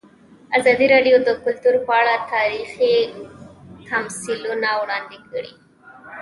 ازادي راډیو د کلتور په اړه تاریخي تمثیلونه وړاندې کړي.